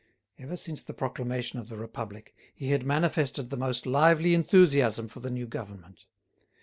Ever since the proclamation of the Republic, he had manifested the most lively enthusiasm for the new government.